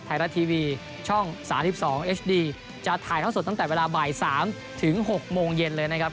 ไทยรัฐทีวีช่อง๓๒เอชดีจะถ่ายท่อสดตั้งแต่เวลาบ่าย๓ถึง๖โมงเย็นเลยนะครับ